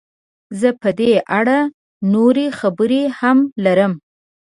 زه په دې اړه نورې خبرې هم لرم.